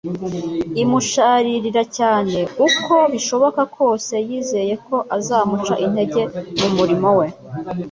imusharirira cyane uko bishoboka kose yizeye ko azamuca intege mu murimo We